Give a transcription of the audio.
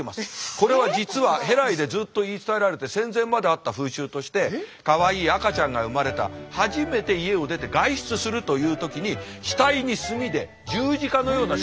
これは実は戸来でずっと言い伝えられて戦前まであった風習としてかわいい赤ちゃんが生まれた初めて家を出て外出するという時に額に墨で十字架のような印をつけた。